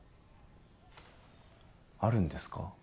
あるんですか？